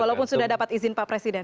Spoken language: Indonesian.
walaupun sudah dapat izin pak presiden